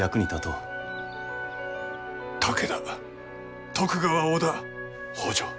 武田徳川織田北条